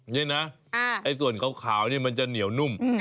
นี่นะไอ้ส่วนขาวนี่มันจะเหนียวนุ่ม